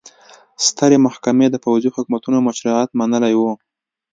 سترې محکمې د پوځي حکومتونو مشروعیت منلی و.